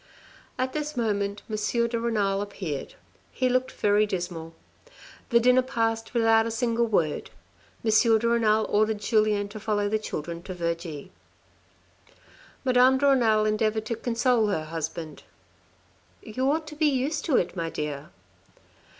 At this moment Monsieur de Renal appeared : he looked very dismal. The dinner passed without a single word. Monsieur de Renal ordered Julien to follow the children to Vergy. Madame de Renal endeavoured to console her husband. " You ought to be used to it, my dear."